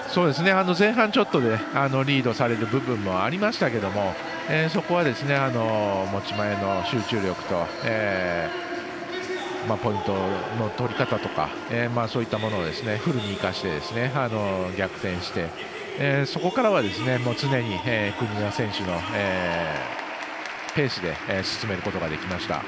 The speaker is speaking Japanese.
前半ちょっとリードされてる部分がありましたけれどもそこは、持ち前の集中力とポイントの取り方とかそういったものをフルに生かして逆転して、そこからは常に国枝選手のペースで進めることができました。